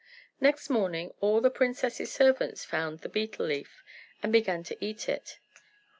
Next morning all the princess's servants found the betel leaf, and began to eat it.